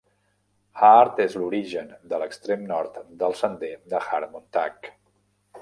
Hart és l'origen de l'extrem nord del sender de Hart-Montague.